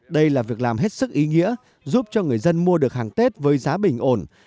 đây là việc làm hết sức ý nghĩa giúp cho người dân mua được hàng tết với giá bình ổn